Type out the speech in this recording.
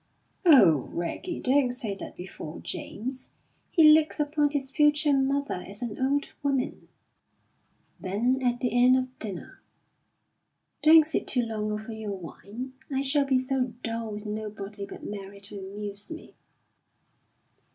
"Oh, Reggie, don't say that before James. He looks upon his future mother as an old woman." Then at the end of dinner: "Don't sit too long over your wine. I shall be so dull with nobody but Mary to amuse me."